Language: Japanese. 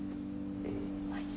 マジ？